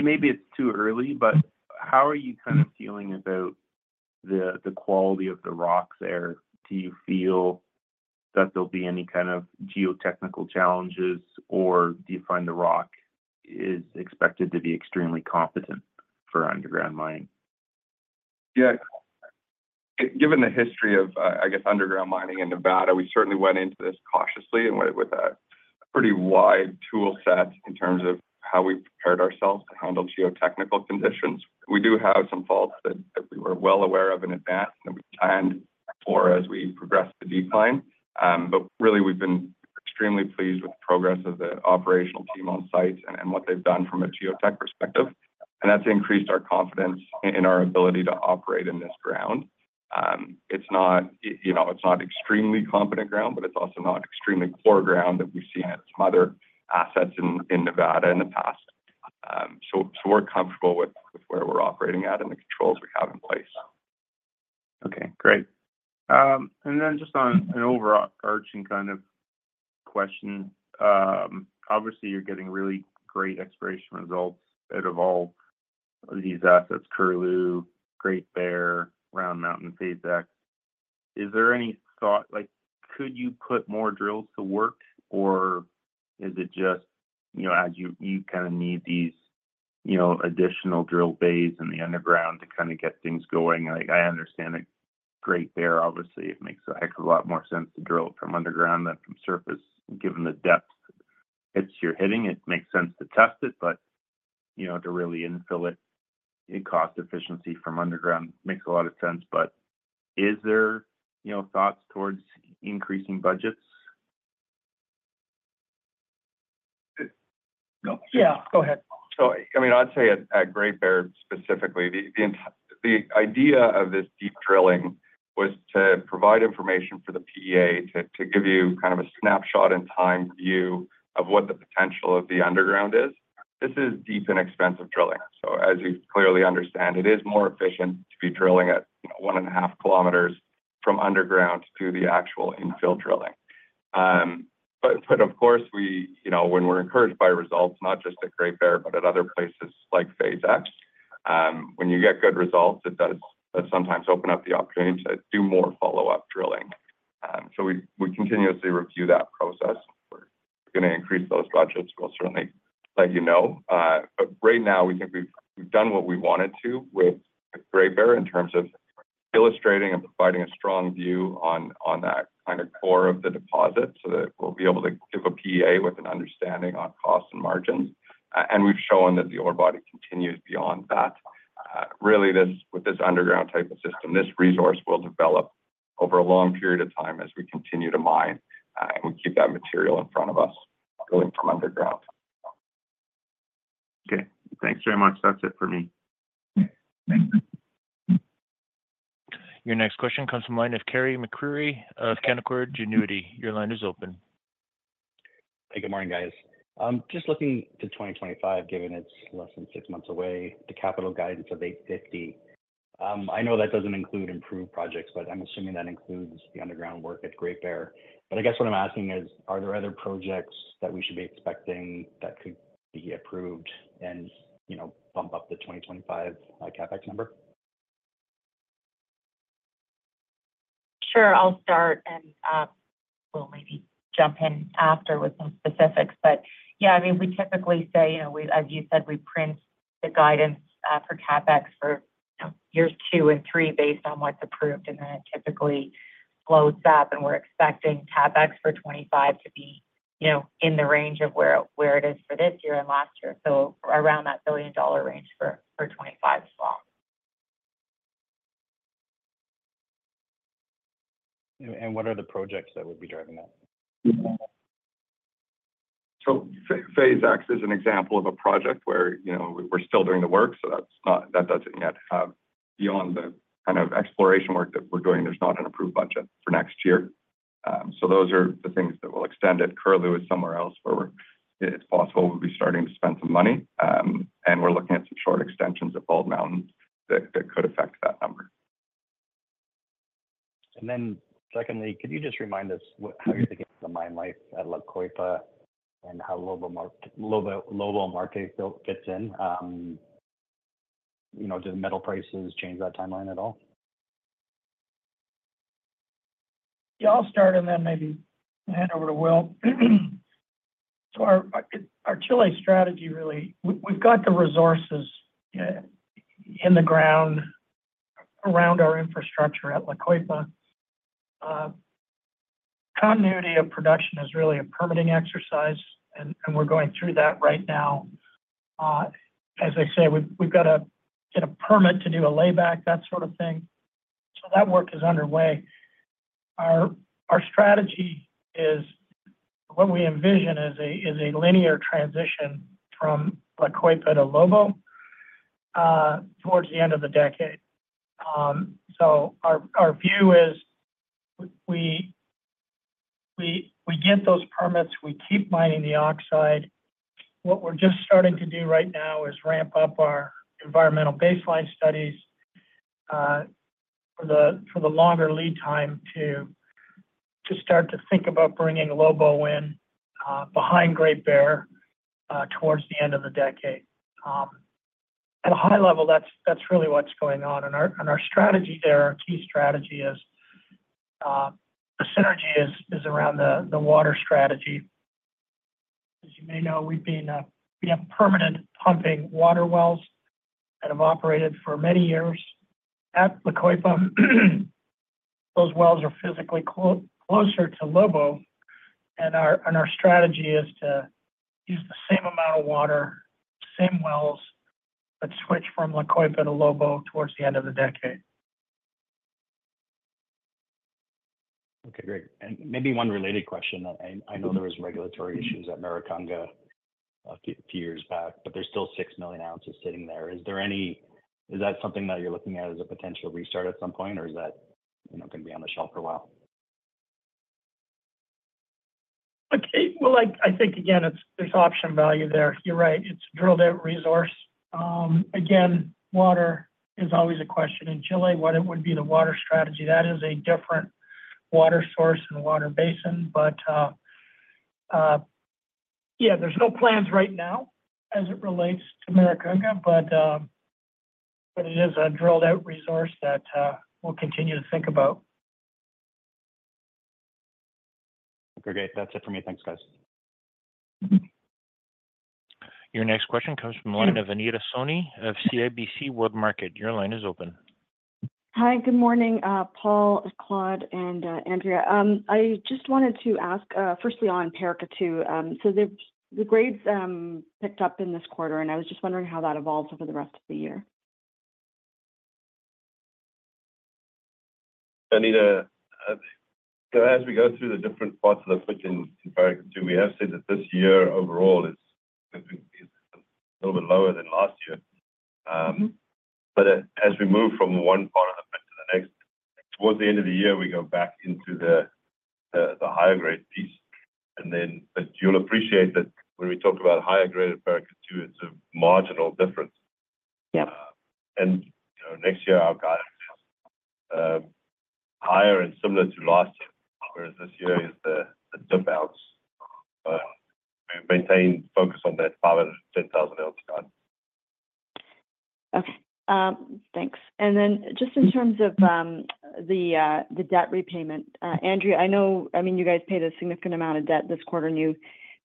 Maybe it's too early, but how are you kind of feeling about the quality of the rock there? Do you feel that there'll be any kind of geotechnical challenges, or do you find the rock is expected to be extremely competent for underground mining? Yeah. Given the history of underground mining in Nevada, we certainly went into this cautiously and with a pretty wide tool set in terms of how we prepared ourselves to handle geotechnical conditions. We do have some faults that we were well aware of in advance and we planned for as we progressed the decline. But really we've been extremely pleased with the progress of the operational team on site and what they've done from a geotech perspective, and that's increased our confidence in our ability to operate in this ground. It's not, you know, it's not extremely competent ground, but it's also not extremely poor ground that we've seen at some other assets in Nevada in the past. So we're comfortable with where we're operating at and the controls we have in place. Okay, great. And then just on an overarching kind of question. Obviously, you're getting really great exploration results out of all these assets, Curlew, Great Bear, Round Mountain, Phase X. Is there any thought, like, could you put more drills to work, or is it just, you know, as you, you kinda need these, you know, additional drill bays in the underground to kinda get things going? Like, I understand at Great Bear, obviously, it makes a heck of a lot more sense to drill it from underground than from surface, given the depth hits you're hitting, it makes sense to test it. But, you know, to really infill it in cost efficiency from underground makes a lot of sense. But is there, you know, thoughts towards increasing budgets? No. Yeah, go ahead. So, I mean, I'd say at Great Bear, specifically, the idea of this deep drilling was to provide information for the PEA to give you kind of a snapshot in time view of what the potential of the underground is. This is deep and expensive drilling. So as you clearly understand, it is more efficient to be drilling at 1.5 kilometers from underground to the actual infill drilling. But of course, you know, when we're encouraged by results, not just at Great Bear, but at other places like Phase X, when you get good results, it does sometimes open up the opportunity to do more follow-up drilling. So we continuously review that process. If we're gonna increase those budgets, we'll certainly let you know. But right now, we think we've, we've done what we wanted to with Great Bear in terms of illustrating and providing a strong view on, on that kind of core of the deposit, so that we'll be able to give a PEA with an understanding on costs and margins. And we've shown that the ore body continues beyond that. Really, this, with this underground type of system, this resource will develop over a long period of time as we continue to mine, and we keep that material in front of us going from underground. Okay. Thanks very much. That's it for me. Thanks. Your next question comes from the line of Carey MacRury of Canaccord Genuity. Your line is open. Hey, good morning, guys. Just looking to 2025, given it's less than six months away, the capital guidance of $850. I know that doesn't include approved projects, but I'm assuming that includes the underground work at Great Bear. But I guess what I'm asking is, are there other projects that we should be expecting that could be approved and, you know, bump up the 2025 CapEx number? Sure. I'll start, and we'll maybe jump in after with some specifics. But yeah, I mean, we typically say, you know, we as you said, we print the guidance for CapEx for, you know, years 2 and 3 based on what's approved, and then it typically loads up, and we're expecting CapEx for 2025 to be, you know, in the range of where it is for this year and last year. So around that $1 billion range for 2025 as well. What are the projects that would be driving that? ... Phase X is an example of a project where, you know, we're still doing the work, so that's not, that doesn't yet, beyond the kind of exploration work that we're doing, there's not an approved budget for next year. So those are the things that will extend it. Curlew is somewhere else where we're, it's possible we'll be starting to spend some money, and we're looking at some short extensions at Bald Mountain that, that could affect that number. And then secondly, could you just remind us what, how you're thinking of the mine life at La Coipa and how Lobo-Marte fits in? You know, do the metal prices change that timeline at all? Yeah, I'll start and then maybe hand over to Will. So our Chile strategy, really, we, we've got the resources in the ground around our infrastructure at La Coipa. Continuity of production is really a permitting exercise, and we're going through that right now. As I say, we've got to get a permit to do a layback, that sort of thing. So that work is underway. Our strategy is... What we envision is a linear transition from La Coipa to Lobo, towards the end of the decade. So our view is, we get those permits, we keep mining the oxide. What we're just starting to do right now is ramp up our environmental baseline studies for the longer lead time to start to think about bringing Lobo-Marte in behind Great Bear towards the end of the decade. At a high level, that's really what's going on. Our strategy there, our key strategy is the synergy around the water strategy. As you may know, we have permanent pumping water wells that have operated for many years at La Coipa. Those wells are physically closer to Lobo-Marte, and our strategy is to use the same amount of water, same wells, but switch from La Coipa to Lobo-Marte towards the end of the decade. Okay, great. Maybe one related question. I know there was regulatory issues at Maricunga a few years back, but there's still 6 million ounces sitting there. Is that something that you're looking at as a potential restart at some point, or is that, you know, going to be on the shelf for a while? Okay. Well, I think again, it's, there's option value there. You're right, it's a drilled out resource. Again, water is always a question in Chile. What it would be, the water strategy, that is a different water source and water basin. But, yeah, there's no plans right now as it relates to Maricunga, but, it is a drilled out resource that, we'll continue to think about. Okay, great. That's it for me. Thanks, guys. Your next question comes from the line of Anita Soni of CIBC Capital Markets. Your line is open. Hi, good morning, Paul, Claude, and Andrea. I just wanted to ask, firstly on Paracatu. So the grades picked up in this quarter, and I was just wondering how that evolves over the rest of the year. Anita, so as we go through the different parts of the switch in Paracatu, we have said that this year overall is a little bit lower than last year. But as we move from one part of the pit to the next, towards the end of the year, we go back into the higher grade piece. But you'll appreciate that when we talk about higher grade at Paracatu, it's a marginal difference. Yeah. You know, next year, our guide higher and similar to last year, whereas this year is the dip outs. We maintain focus on that 510,000 ounce guide. Okay, thanks. And then just in terms of the debt repayment, Andrea, I know—I mean, you guys paid a significant amount of debt this quarter, and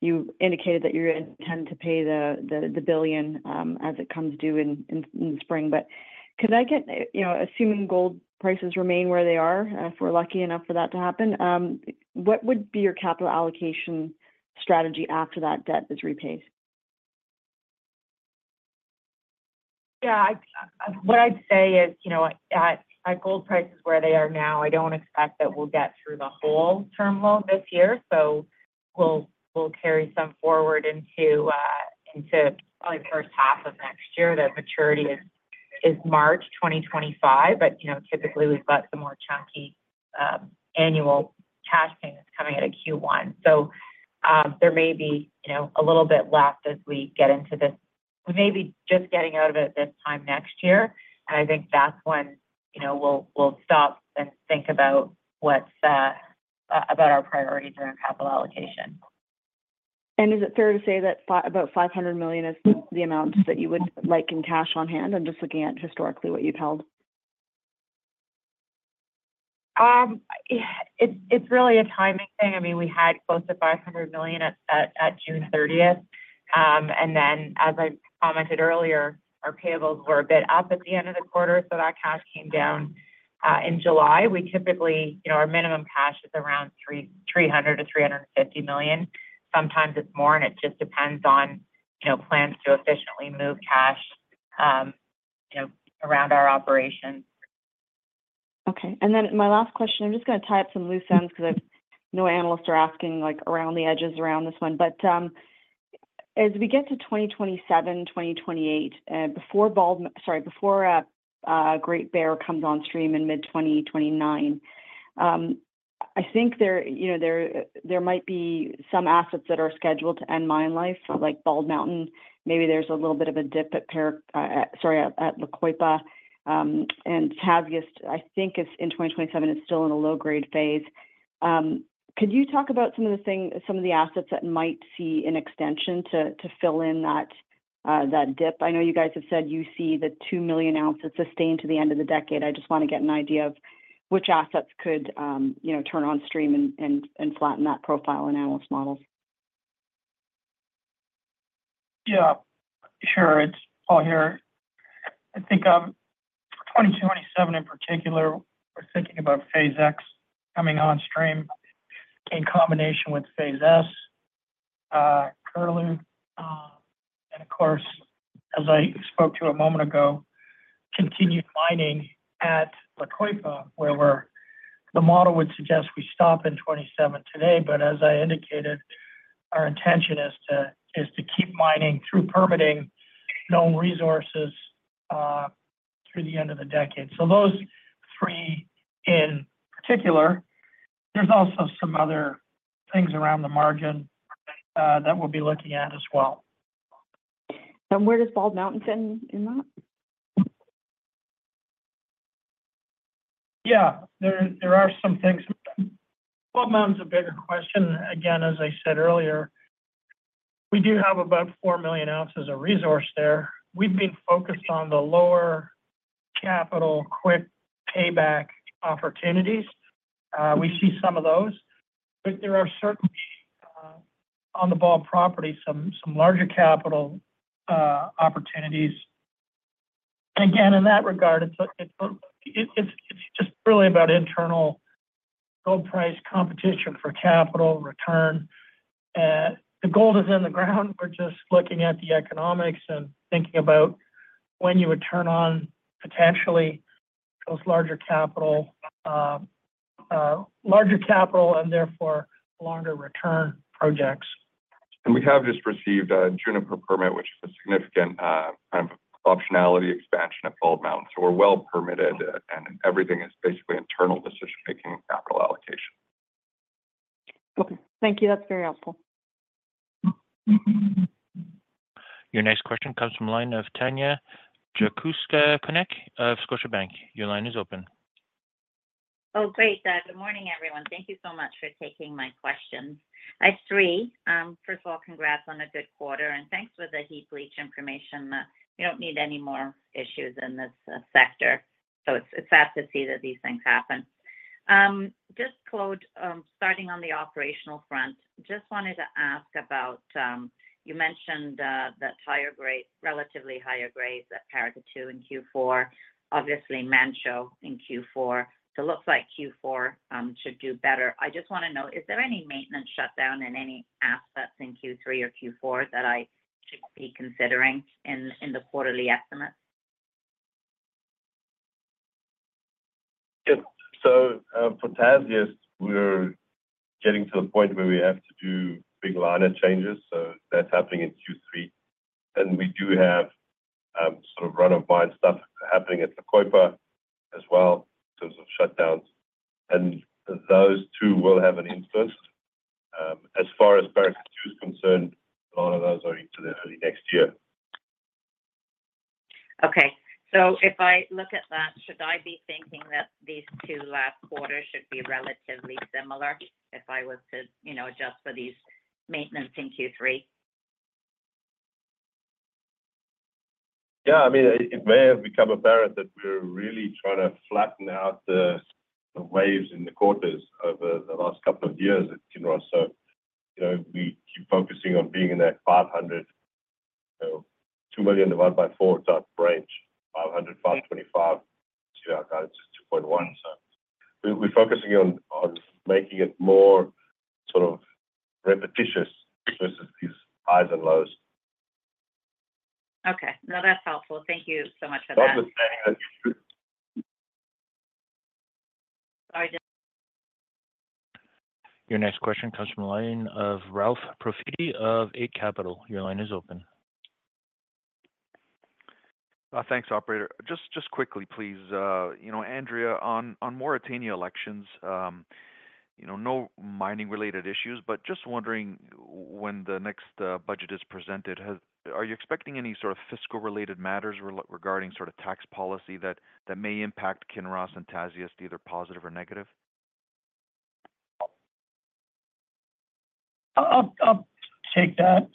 you indicated that you're going to tend to pay the $1 billion as it comes due in spring. But could I get, you know, assuming gold prices remain where they are, if we're lucky enough for that to happen, what would be your capital allocation strategy after that debt is repaid? Yeah, I, what I'd say is, you know, at gold prices where they are now, I don't expect that we'll get through the whole term loan this year. So we'll, we'll carry some forward into into probably the first half of next year. The maturity is March 2025, but, you know, typically, we've got some more chunky annual cash payments coming out of Q1. So, there may be, you know, a little bit left as we get into this. We may be just getting out of it this time next year, and I think that's when, you know, we'll, we'll stop and think about what's about our priorities around capital allocation. Is it fair to say that about $500 million is the amount that you would like in cash on hand? I'm just looking at historically what you've held. It's really a timing thing. I mean, we had close to $500 million at June thirtieth. And then, as I commented earlier, our payables were a bit up at the end of the quarter, so that cash came down in July. We typically, you know, our minimum cash is around $300 million-$350 million. Sometimes it's more, and it just depends on, you know, plans to efficiently move cash, you know, around our operations. Then my last question, I'm just gonna tie up some loose ends because I know analysts are asking, like, around the edges around this one. But, as we get to 2027, 2028, before Great Bear comes on stream in mid-2029, I think there, you know, there, there might be some assets that are scheduled to end mine life, like Bald Mountain. Maybe there's a little bit of a dip at La Coipa. And Tasiast, I think it's in 2027, it's still in a low-grade phase. Could you talk about some of the things, some of the assets that might see an extension to, to fill in that, that dip? I know you guys have said you see the 2 million ounces sustained to the end of the decade. I just want to get an idea of which assets could, you know, turn on stream and flatten that profile in analyst models. Yeah, sure. It's Paul here. I think, for 2027 in particular, we're thinking about Phase X coming on stream in combination with Phase S, currently. And of course, as I spoke to a moment ago, continued mining at La Coipa, where we're, the model would suggest we stop in 2027 today. But as I indicated, our intention is to keep mining through permitting known resources, through the end of the decade. So those three in particular, there's also some other things around the margin, that we'll be looking at as well. Where does Bald Mountain fit in, in that? Yeah, there are some things. Bald Mountain is a bigger question. Again, as I said earlier, we do have about 4 million ounces of resource there. We've been focused on the lower capital, quick payback opportunities. We see some of those, but there are certainly on the Bald Mountain property some larger capital opportunities. Again, in that regard, it's just really about internal gold price competition for capital return. The gold is in the ground. We're just looking at the economics and thinking about when you would turn on, potentially, those larger capital and therefore longer return projects. We have just received a Juniper permit, which is a significant kind of optionality expansion at Bald Mountain. So we're well permitted, and everything is basically internal decision-making and capital allocation. Okay. Thank you. That's very helpful. Your next question comes from line of Tanya Jakusconek of Scotiabank. Your line is open. Oh, great. Good morning, everyone. Thank you so much for taking my questions. I have three. First of all, congrats on a good quarter, and thanks for the heap leach information. We don't need any more issues in this sector, so it's sad to see that these things happen. Just Claude, starting on the operational front, just wanted to ask about, you mentioned that higher grade, relatively higher grades at Paracatu in Q4, obviously Manh Choh in Q4. So it looks like Q4 should do better. I just want to know, is there any maintenance shutdown in any assets in Q3 or Q4 that I should be considering in the quarterly estimates? Yeah. So, for Tasiast, we're getting to a point where we have to do big line changes, so that's happening in Q3. We do have sort of run-of-mine stuff happening at La Coipa as well, in terms of shutdowns. Those two will have an impact. As far as Paracatu is concerned, a lot of those are into the early next year. Okay. So if I look at that, should I be thinking that these two last quarters should be relatively similar if I was to, you know, adjust for these maintenance in Q3? Yeah, I mean, it may have become apparent that we're really trying to flatten out the waves in the quarters over the last couple of years at Kinross. So, you know, we keep focusing on being in that 500,000, so 2,000,000 divided by four type range, 500,000-525,000 to 2.1. So, we're focusing on making it more sort of repetitious versus these highs and lows. Okay. No, that's helpful. Thank you so much for that. Okay. Your next question comes from the line of Ralph Profiti of Eight Capital. Your line is open. Thanks, operator. Just quickly, please, you know, Andrea, on Mauritania elections, you know, no mining-related issues, but just wondering when the next budget is presented, are you expecting any sort of fiscal-related matters regarding sort of tax policy that may impact Kinross and Tasiast, either positive or negative? I'll take that,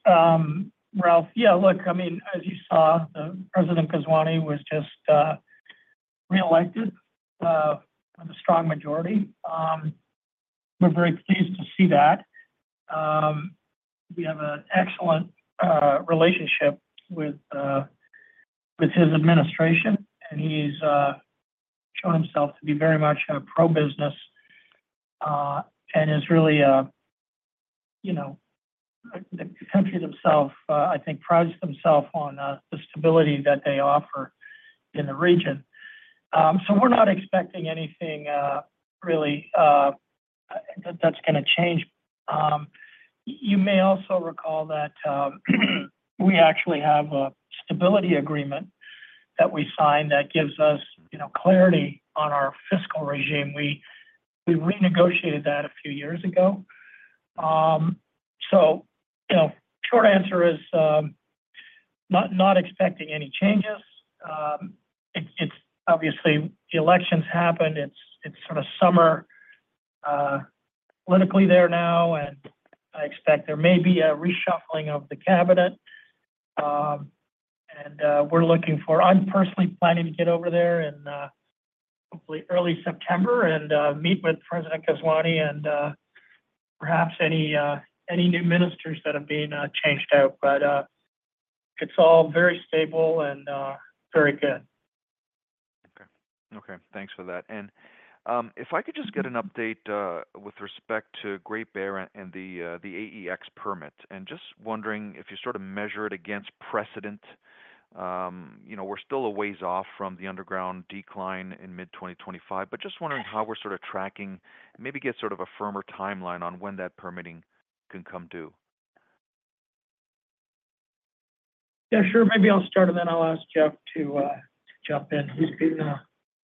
Ralph. Yeah, look, I mean, as you saw, President Ghazouani was just reelected with a strong majority. We're very pleased to see that. We have an excellent relationship with his administration, and he's shown himself to be very much a pro-business, and is really a you know, the country themselves, I think prides themselves on the stability that they offer in the region. So we're not expecting anything really that's gonna change. You may also recall that we actually have a stability agreement that we signed that gives us, you know, clarity on our fiscal regime. We renegotiated that a few years ago. So, you know, short answer is not expecting any changes. It's obviously the elections happened. It's sort of summer politically there now, and I expect there may be a reshuffling of the cabinet. I'm personally planning to get over there in hopefully early September and meet with President Ghazouani and perhaps any new ministers that are being changed out. But it's all very stable and very good. Okay. Okay, thanks for that. And if I could just get an update with respect to Great Bear and the AEX permit. Just wondering if you sort of measure it against precedent, you know, we're still a ways off from the underground decline in mid-2025, but just wondering how we're sort of tracking, maybe get sort of a firmer timeline on when that permitting can come due. Yeah, sure. Maybe I'll start, and then I'll ask Geoff to jump in. He's been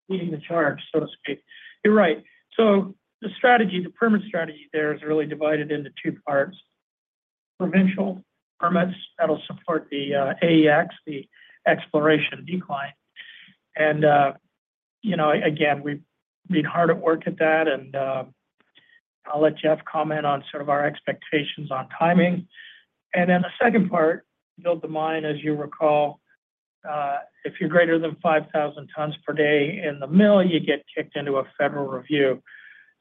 leading the charge, so to speak. You're right. So the strategy, the permit strategy there is really divided into two parts. Provincial permits, that'll support the AEX, the exploration decline. And you know, again, we've been hard at work at that, and I'll let Geoff comment on sort of our expectations on timing. And then the second part, build the mine, as you recall, if you're greater than 5,000 tons per day in the mill, you get kicked into a federal review.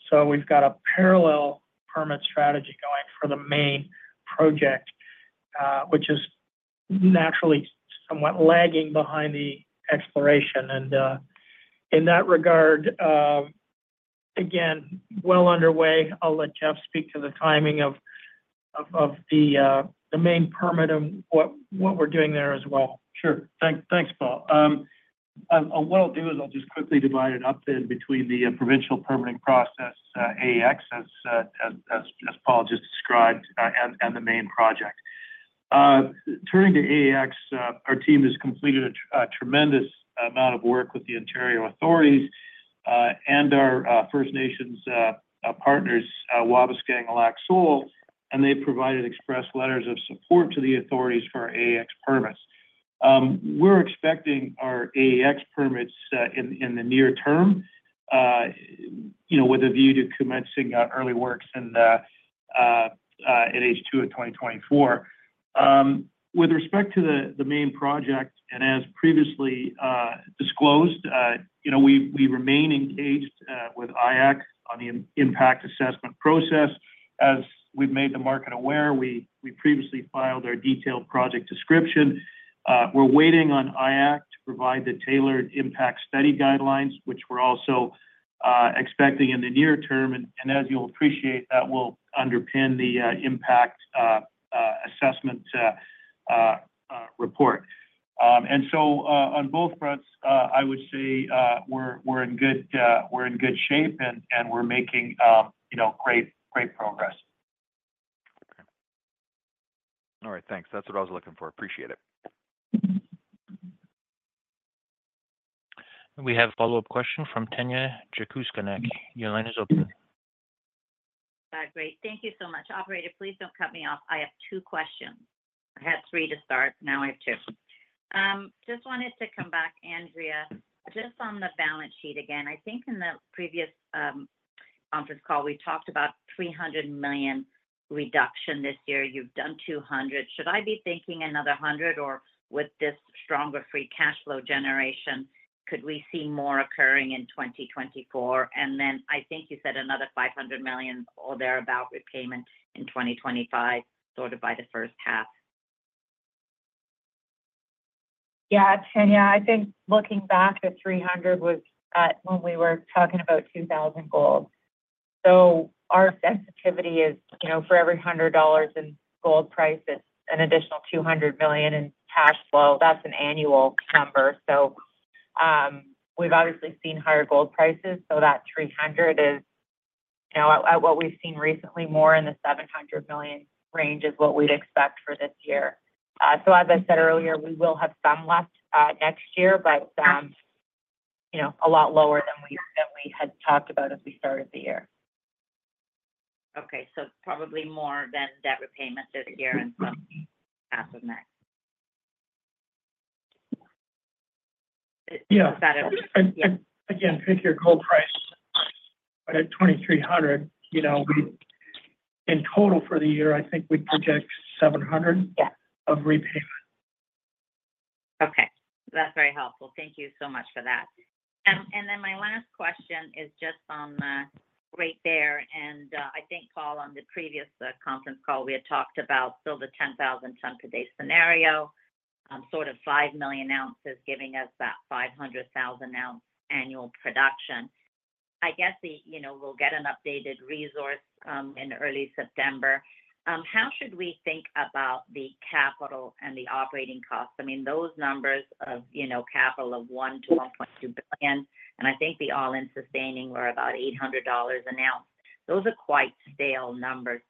So we've got a parallel permit strategy going for the main project, which is naturally somewhat lagging behind the exploration. And in that regard, again, well underway. I'll let Geoff speak to the timing of the main permit and what we're doing there as well. Sure. Thanks, Paul. And what I'll do is I'll just quickly divide it up then between the provincial permitting process, AEX, as Paul just described, and the main project. Turning to AEX, our team has completed a tremendous amount of work with the Ontario authorities and our First Nations partners, Wabauskang, Lac Seul, and they provided express letters of support to the authorities for our AEX permits. We're expecting our AEX permits in the near term, you know, with a view to commencing early works in H2 of 2024. With respect to the main project, and as previously disclosed, you know, we remain engaged with IAAC on the impact assessment process. As we've made the market aware, we previously filed our detailed project description. We're waiting on IAAC to provide the tailored impact study guidelines, which we're also expecting in the near term. And as you'll appreciate, that will underpin the impact assessment report. And so, on both fronts, I would say, we're in good shape, and we're making, you know, great progress. Okay. All right, thanks. That's what I was looking for. Appreciate it. We have a follow-up question from Tanya Jakusconek. Your line is open. Great. Thank you so much. Operator, please don't cut me off, I have two questions. I had three to start, now I have two. Just wanted to come back, Andrea, just on the balance sheet again. I think in the previous conference call, we talked about $300 million reduction this year. You've done $200 million. Should I be thinking another $100 million, or with this stronger free cash flow generation, could we see more occurring in 2024? And then I think you said another $500 million or thereabout, repayment in 2025, sort of by the first half. Yeah, Tanya, I think looking back, the 300 was, when we were talking about 2,000 gold. So our sensitivity is, you know, for every $100 in gold price, it's an additional $200 million in cash flow. That's an annual number. So, we've obviously seen higher gold prices, so that 300 is... You know, at what we've seen recently, more in the $700 million range is what we'd expect for this year. So as I said earlier, we will have some left, next year, but, you know, a lot lower than we, than we had talked about as we started the year. Okay, so probably more than debt repayment this year and half of next. Yeah. Is that it? Again, pick your gold price, but at $2,300, you know, we—in total for the year, I think we project 700- Yeah... of repayment. Okay, that's very helpful. Thank you so much for that. And then my last question is just on the Great Bear, and I think, Paul, on the previous conference call, we had talked about build a 10,000 ton per day scenario, sort of 5 million ounces, giving us that 500,000 ounce annual production. I guess, you know, we'll get an updated resource in early September. How should we think about the capital and the operating costs? I mean, those numbers of, you know, capital of $1-$1.2 billion, and I think the all-in sustaining were about $800 an ounce. Those are quite stale numbers.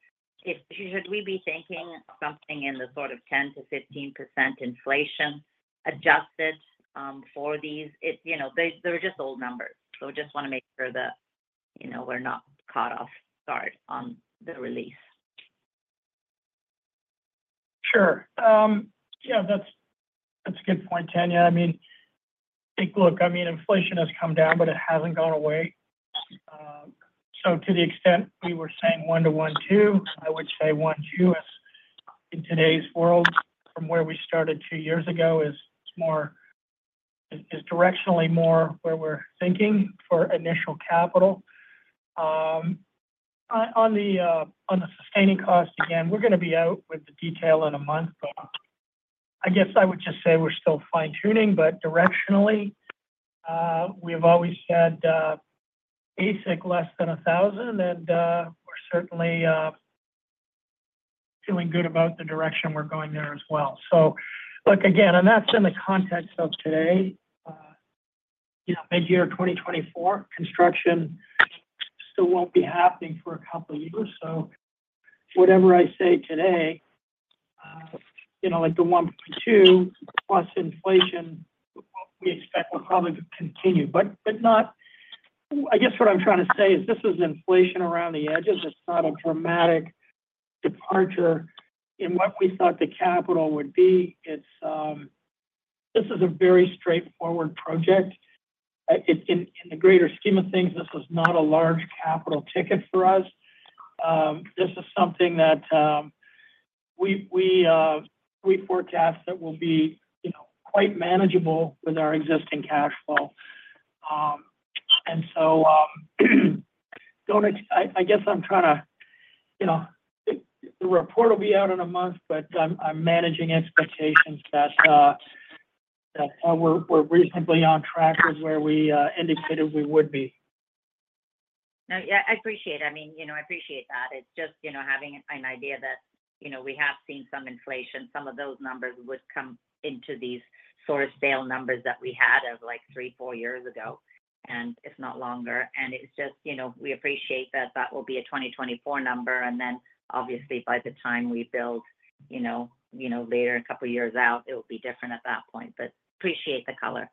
If—should we be thinking something in the sort of 10%-15% inflation adjusted for these? It's, you know, they're just old numbers, so we just wanna make sure that, you know, we're not caught off guard on the release. Sure. Yeah, that's a good point, Tanya. I mean, I think, look, I mean, inflation has come down, but it hasn't gone away. So to the extent we were saying $1-$1.2, I would say $1.2, as in today's world, from where we started 2 years ago, is more—is directionally more where we're thinking for initial capital. On the sustaining cost, again, we're gonna be out with the detail in a month, but I guess I would just say we're still fine-tuning, but directionally, we've always said basic, less than $1,000, and we're certainly feeling good about the direction we're going there as well. So look, again, and that's in the context of today, you know, midyear 2024, construction still won't be happening for a couple of years. So whatever I say today, you know, like the 1.2+ inflation, we expect will probably continue. But not... I guess what I'm trying to say is this is inflation around the edges. It's not a dramatic departure in what we thought the capital would be. It's this is a very straightforward project. In the greater scheme of things, this is not a large capital ticket for us. This is something that we forecast that will be, you know, quite manageable with our existing cash flow. And so, I guess I'm trying to, you know, the report will be out in a month, but I'm managing expectations that we're reasonably on track with where we indicated we would be. No, yeah, I appreciate it. I mean, you know, I appreciate that. It's just, you know, having an idea that, you know, we have seen some inflation, some of those numbers would come into these sort of stale numbers that we had of, like, three, four years ago, and if not longer. And it's just, you know, we appreciate that that will be a 2024 number, and then obviously by the time we build, you know, you know, later, a couple of years out, it will be different at that point. But appreciate the color.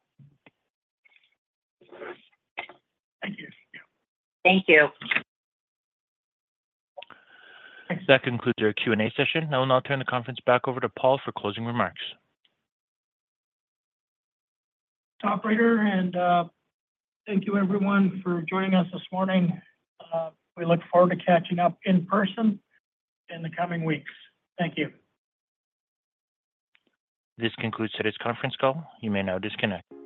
Thank you. Thank you. That concludes our Q&A session. I will now turn the conference back over to Paul for closing remarks. Operator, and, thank you everyone for joining us this morning. We look forward to catching up in person in the coming weeks. Thank you. This concludes today's conference call. You may now disconnect.